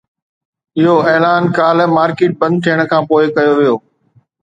اهو اعلان ڪالهه مارڪيٽ بند ٿيڻ کانپوءِ ڪيو ويو